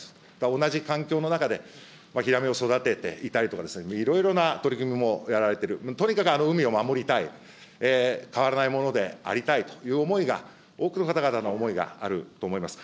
同じ環境の中で、ヒラメを育てていたりとかですね、いろいろな取り組みもやられてる、とにかくあの海を守りたい、変わらないものでありたいという思いが、多くの方々の思いがあると思います。